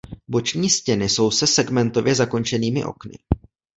Boční stěny jsou se segmentově zakončenými okny.